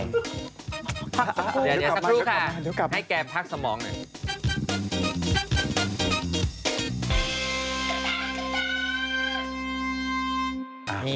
เดี๋ยวสักครู่ค่ะให้แกพักสมองหน่อย